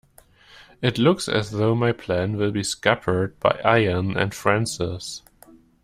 It looks as though my plan will be scuppered by Ian and Francis.